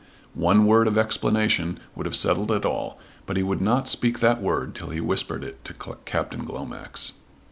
One word of explanation would have settled it all, but he would not speak that word till he whispered it to Captain Glomax.